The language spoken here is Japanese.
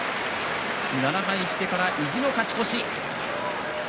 ７敗してから意地の勝ち越し。